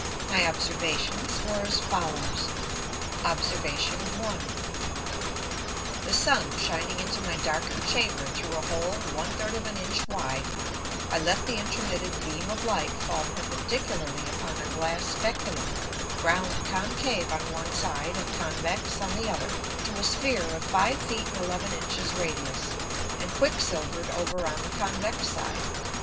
My Observations were as follows. Obs. 1. The Sun shining into my darken'd Chamber through a hole one third of an Inch wide, I let the intromitted beam of Light fall perpendicularly upon a Glass Speculum ground concave on one side and convex on the other, to a Sphere of five Feet and eleven Inches Radius, and Quick silver'd over on the convex side.